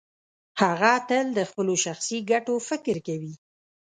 هغه تل د خپلو شخصي ګټو فکر کوي.